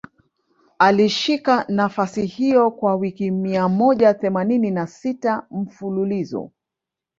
Alishika nafasi hiyo kwa wiki mia moja themanini na sita mfululizo